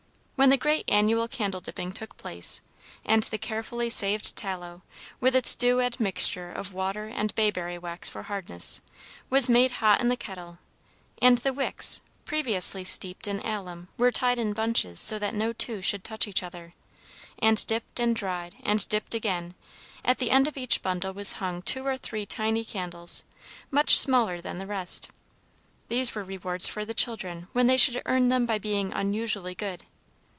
When the great annual candle dipping took place, and the carefully saved tallow, with its due admixture of water and bayberry wax for hardness, was made hot in the kettle, and the wicks, previously steeped in alum, were tied in bunches so that no two should touch each other, and dipped and dried, and dipped again, at the end of each bundle was hung two or three tiny candles, much smaller than the rest. These were rewards for the children when they should earn them by being unusually good.